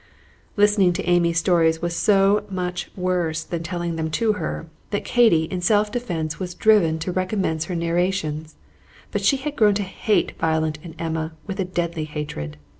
Listening to Amy's stories was so much worse than telling them to her, that Katy in self defence was driven to recommence her narrations, but she had grown to hate Violet and Emma with a deadly hatred.